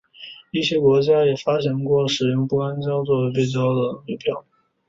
一些国家也发行过使用不干胶作为背胶的邮票。